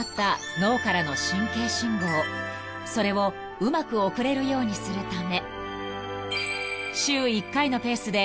［それをうまく送れるようにするため］